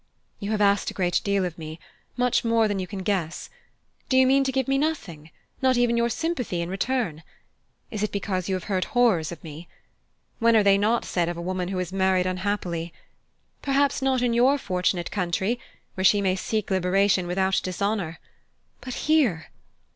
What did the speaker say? "You have asked a great deal of me much more than you can guess. Do you mean to give me nothing not even your sympathy in return? Is it because you have heard horrors of me? When are they not said of a woman who is married unhappily? Perhaps not in your fortunate country, where she may seek liberation without dishonour. But here